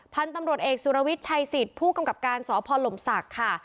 พันธุ์ตำรวจเอกสุรวิทย์ชัยสิทธิ์ผู้กำกับการสพลมศักดิ์ค่ะ